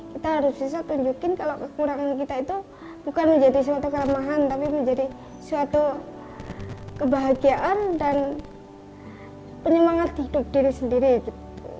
kita harus bisa tunjukin kalau kekurangan kita itu bukan menjadi suatu kelemahan tapi menjadi suatu kebahagiaan dan penyemangat hidup diri sendiri gitu